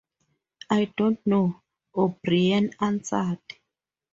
"I don't know" O'Brien answered.